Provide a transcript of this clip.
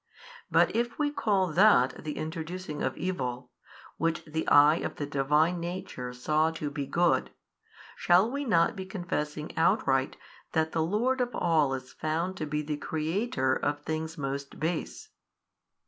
But if we call that the introducing of evil, which the Eye of the Divine Nature saw to be good, shall we not be confessing outright that the Lord of all is found to be the Creator of things most base?